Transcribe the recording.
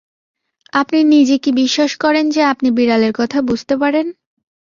আপনি নিজে কি বিশ্বাস করেন যে আপনি বিড়ালের কথা বুঝতে পারেন?